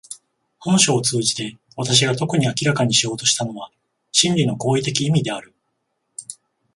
本書を通じて私が特に明らかにしようとしたのは真理の行為的意味である。